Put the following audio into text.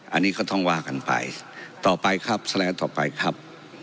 อันนี้ก็ต้องว่ากันไปต่อไปครับสไลด์ต่อไปครับ